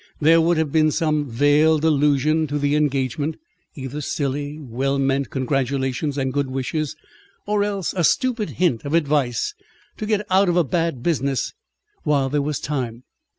There would have been some veiled allusion to the engagement; either silly, well meant congratulations and good wishes, or else a stupid hint of advice to get out of a bad business while there was time.